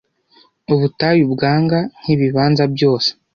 Ubutayu, bwanga nkibibanza byose